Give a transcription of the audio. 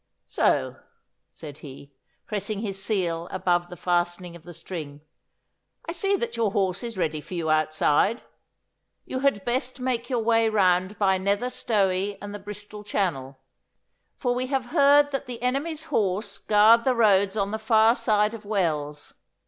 'So,' said he, pressing his seal above the fastening of the string, 'I see that your horse is ready for you outside. You had best make your way round by Nether Stowey and the Bristol Channel, for we have heard that the enemy's horse guard the roads on the far side of Wells.